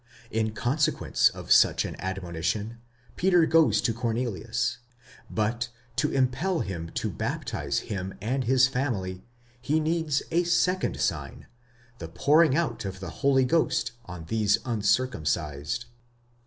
In consequence of such an admonition Peter goes to Cornelius; but to impel him to baptize him and his family, he needs a second sign, the pouring out of the Holy Ghost on these uncircumcised.